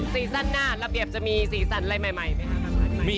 ซีซั่นหน้าระเบียบจะมีซีซั่นอะไรใหม่